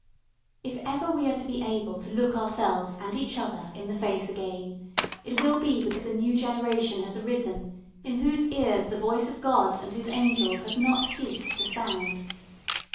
If ever we are to be able to look ourselves and each other in the face again it will be because a new generation has arisen in whose ears the voice of God and His angels has not ceased to sound.